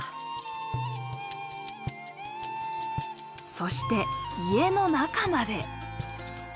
そして家の中まで。